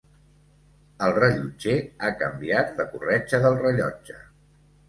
El rellotger ha canviat la corretja del rellotge.